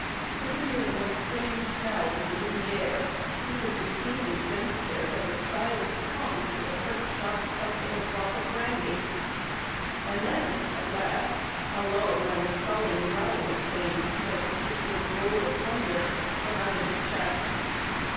To the new and strange smell that was in the air he was as keenly sensitive as a child's tongue to the first sharp touch of a drop of brandy. And then, at last, a low and sullen growl came like a distant roll of thunder from out of his chest.